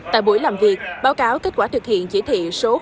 tại buổi làm việc báo cáo kết quả thực hiện chỉ thị số một